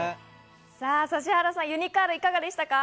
指原さん、ユニカール、いかがでしたか？